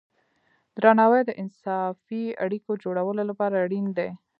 درناوی د انصافی اړیکو جوړولو لپاره اړین دی.